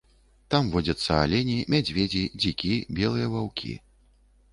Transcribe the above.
Там водзяцца алені, мядзведзі, дзікі, белыя ваўкі.